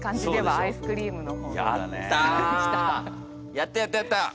やったやったやった！